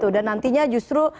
dan nantinya justru